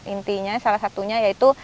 intinya salah satunya yaitu